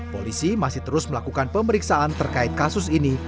polisi masih terus melakukan pemeriksaan terkait kasus ini